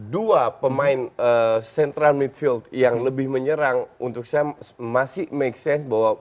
dua pemain central midfield yang lebih menyerang untuk saya masih make sense bahwa